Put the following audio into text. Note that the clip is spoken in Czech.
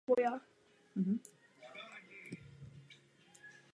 Den poté byla dráha lehce změněna.